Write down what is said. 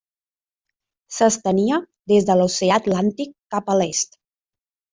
S'estenia des de l'Oceà Atlàntic cap a l'est.